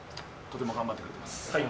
とても頑張ってくれてます。